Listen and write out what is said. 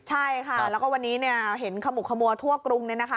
ใช่ค่ะแล้วก็วันนี้เห็นขมุกขมัวทั่วกรุง